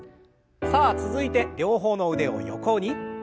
さあ続いて両方の腕を横に。